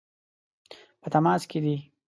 په تماس کې دي.